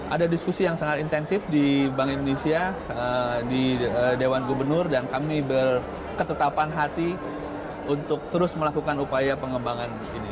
ada diskusi yang sangat intensif di bank indonesia di dewan gubernur dan kami berketetapan hati untuk terus melakukan upaya pengembangan ini